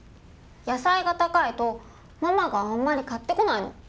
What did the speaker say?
野菜が高いとママがあんまり買ってこないの。